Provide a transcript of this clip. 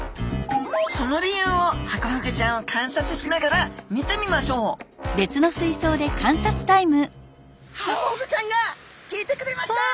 その理由をハコフグちゃんを観察しながら見てみましょうハコフグちゃんが来てくれました。